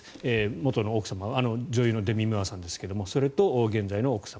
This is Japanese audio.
元の奥様は女優のデミ・ムーアさんですがそれと現在の奥様